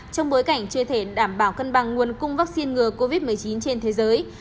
trong bối cảnh chưa thể đảm bảo cân bằng nguồn cung vaccine ngừa covid một mươi chín trên thế giới